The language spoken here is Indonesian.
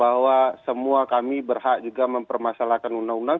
bahwa semua kami berhak juga mempermasalahkan undang undang